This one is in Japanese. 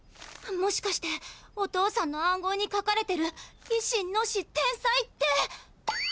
もしかしてお父さんの暗号に書かれてる「いしのしてんさい」って！